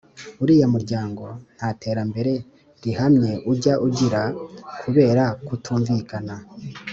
uriya muryango nta terambere rihamye ujya ugira kubera kutumvikana.